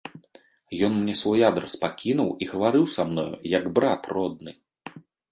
Ён мне свой адрас пакінуў і гаварыў са мною, як брат родны.